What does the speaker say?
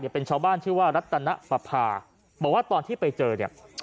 เป็นชาวบ้านชื่อว่ารัตนปภาบอกว่าตอนที่ไปเจอเนี่ย